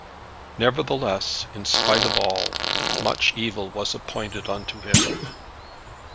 Nevertheless, in spite of all, much evil was appointed unto him.